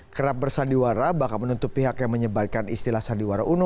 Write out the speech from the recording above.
kerap bersandiwara bahkan menuntut pihak yang menyebarkan istilah sandiwara uno